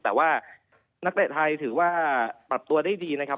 แต่ว่านักเตะไทยถือว่าปรับตัวได้ดีนะครับ